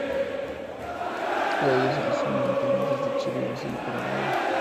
A ellos se les suman integrantes de Chile, Brasil y Paraguay.